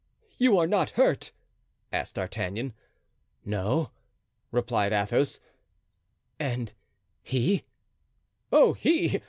"You are not hurt?" asked D'Artagnan. "No," replied Athos; "and he——" "Oh, he!